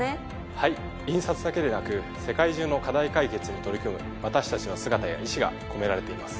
はい印刷だけでなく世界中の課題解決に取り組む私たちの姿や意思が込められています。